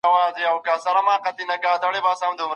په قلم لیکنه کول د نامعلومو شیانو د کشف پیل دی.